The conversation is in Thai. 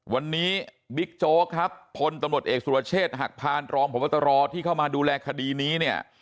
วันนี้บิ๊กโจ๊กครับพลตำรวจเอกสุรเชษฐ์หักพานรองพบตรที่เข้ามาดูแลคดีนี้เนี่ย